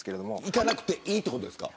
行かなくていいということですか。